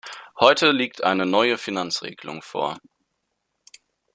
Heute liegt eine neue Finanzregelung vor.